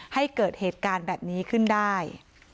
ให้เกิดเหตุการณ์แบบนี้ขึ้นได้